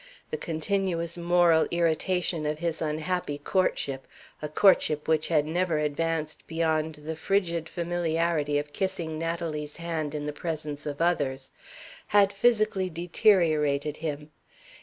The continuous moral irritation of his unhappy courtship a courtship which had never advanced beyond the frigid familiarity of kissing Natalie's hand in the presence of others had physically deteriorated him.